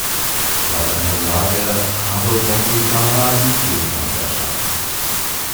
Laut einer Sage habe Bodhidharma die Teepflanze erschaffen.